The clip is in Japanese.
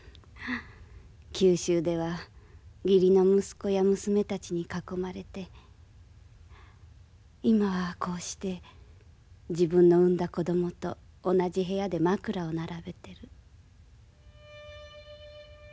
九州では義理の息子や娘たちに囲まれて今はこうして自分の産んだ子供と同じ部屋で枕を並べてる。